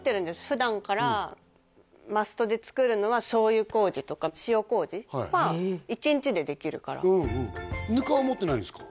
普段からマストで作るのはは１日でできるからぬかは持ってないんですか？